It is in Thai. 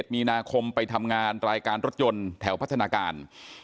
มีนาคมไปทำงานรายการรถยนต์แถวพัฒนาการ